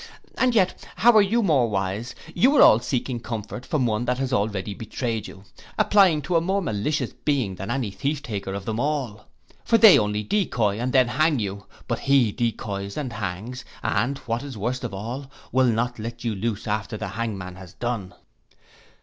And yet how are you more wise? You are all seeking comfort from one that has already betrayed you, applying to a more malicious being than any thieftaker of them all; for they only decoy, and then hang you; but he decoys and hangs, and what is worst of all, will not let you loose after the hangman has done.